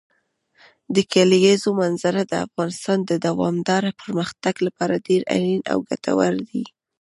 د کلیزو منظره د افغانستان د دوامداره پرمختګ لپاره ډېر اړین او ګټور دی.